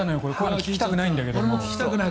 聞きたくないんだけど。